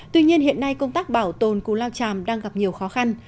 tuy nhiên hiện nay công tác bảo tồn cù lao tràm đang gặp nhiều khó khăn